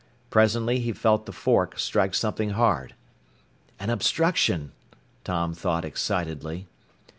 Presently he felt the fork strike something hard. "An obstruction!" Tom thought excitedly.